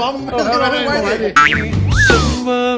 ไม่ตั้งหอผม